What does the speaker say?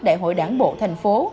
đại hội đảng bộ thành phố